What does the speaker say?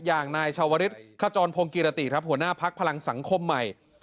อย่างนายชาวริสขจรพงศ์กิรติครับหัวหน้าพักพลังสังคมใหม่